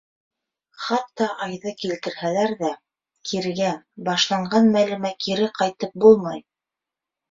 Хатта Айҙы килтерһәләр ҙә, кирегә, башланған мәлемә кире ҡайтып булмай.